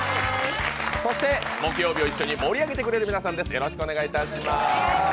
そして木曜日を一緒に盛り上げてくれる皆さんです。